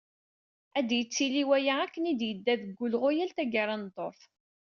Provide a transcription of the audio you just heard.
Ad d-yettili waya, akken i d-yedda deg wulɣu, yal taggara n ddurt.